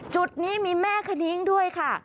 จุดนี้มีแม่คณิ้งด้วยค่ะ